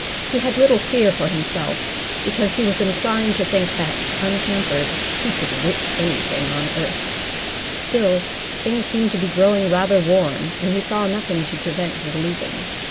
He had little fear for himself, because he was inclined to think that, unhampered, he could whip anything on earth; still, things seemed to be growing rather warm and he saw nothing to prevent his leaving.